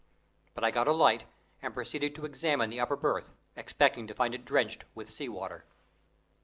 But I got a light and proceeded to examine the upper berth, expecting to find it drenched with sea water.